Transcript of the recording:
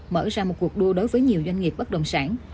mở ra một cuộc đua đối với nhiều doanh nghiệp bất động sản